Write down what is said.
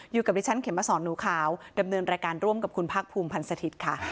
อยู่กับดิฉันเข็มมาสอนหนูขาวดำเนินรายการร่วมกับคุณภาคภูมิพันธ์สถิตย์ค่ะ